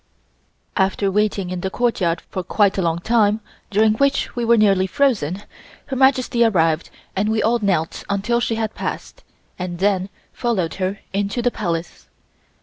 After waiting in the courtyard for quite a long time, during which we were nearly frozen, Her Majesty arrived, and we all knelt until she had passed, and then followed her into the Palace.